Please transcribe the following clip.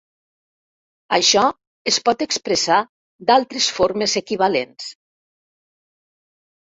Això es pot expressar d'altres formes equivalents.